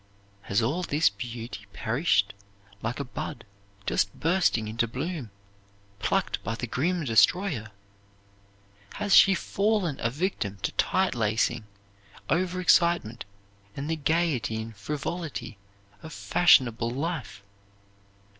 Has all this beauty perished like a bud just bursting into bloom, plucked by the grim destroyer? Has she fallen a victim to tight lacing, over excitement, and the gaiety and frivolity of fashionable life?